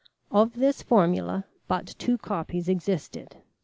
Of this formula but two copies existed.